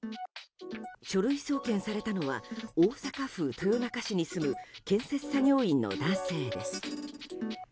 書類送検されたのは大阪府豊中市に住む建設作業員の男性です。